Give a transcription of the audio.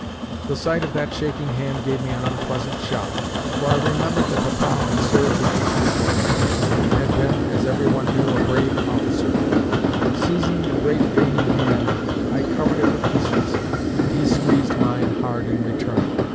The sight of that shaking hand gave me an unpleasant shock, for I remembered that Papa had served in 1812, and had been, as every one knew, a brave officer. Seizing the great veiny hand, I covered it with kisses, and he squeezed mine hard in return.